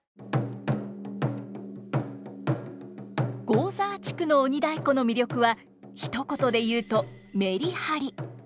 合沢地区の鬼太鼓の魅力はひと言で言うとメリハリ。